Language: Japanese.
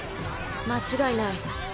間違いない。